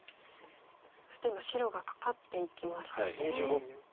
そして今白がカカっていきましたね。